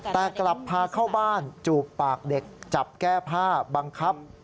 แต่กลับพาเข้าบ้านจูบปากเด็กจับแก้ผ้าบังคับ